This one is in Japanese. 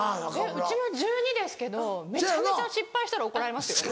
うちも１２ですけどめちゃめちゃ失敗したら怒られますよ。